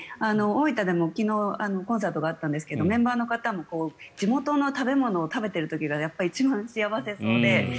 大分でも昨日コンサートがあったんですけどメンバーの方も地元のものを食べている時がやっぱり一番幸せそうで。